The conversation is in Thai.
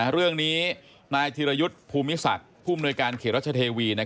เรื่องนี้นายธิรยุทธ์ภูมิศักดิ์ผู้อำนวยการเขตรัชเทวี